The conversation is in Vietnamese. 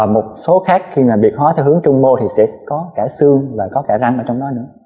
một số khác khi mà biệt hóa theo hướng trung mô thì sẽ có cả xương và có cả răng ở trong đó nữa